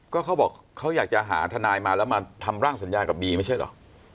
ก็เขาบอกเขาอยากจะหาทนายมาแล้วมาทำร่างสัญญากับบีไม่ใช่เหรอ